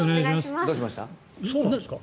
どうしました？